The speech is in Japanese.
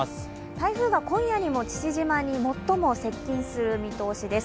台風が今夜にも父島に最も接近する見通しです。